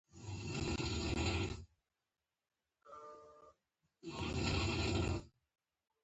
آزاد تجارت مهم دی ځکه چې امنیت خوراکي زیاتوي.